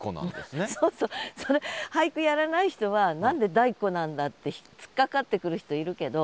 そうそうそれ俳句やらない人は何で「だいこ」なんだってつっかかってくる人いるけど。